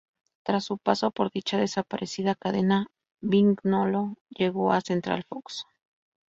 Tras su paso por dicha desaparecida cadena, Vignolo llegó a "Central Fox".